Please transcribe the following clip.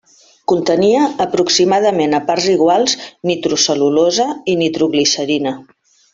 Contenia aproximadament a parts iguals nitrocel·lulosa i nitroglicerina.